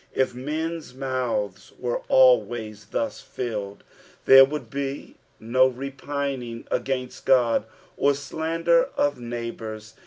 If men's mouths wero always tlius filled, there wonld bo no repinmg ^Eunst Ood, or slander uf neighbours.